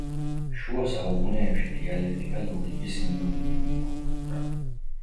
შუა საუკუნეებში დიალექტიკა ლოგიკის სინონიმი იყო.